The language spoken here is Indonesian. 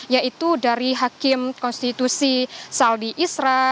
yaitu dari hakim konstitusi saldi isra